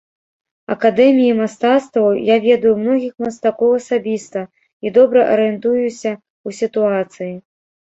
Акадэміі мастацтваў, я ведаю многіх мастакоў асабіста і добра арыентуюся ў сітуацыі.